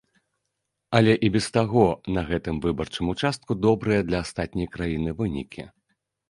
Але і без таго на гэтым выбарчым участку добрыя для астатняй краіны вынікі.